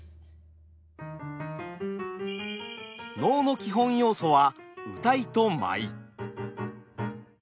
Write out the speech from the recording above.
能の基本要素は謡と舞。